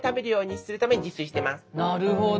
なるほど。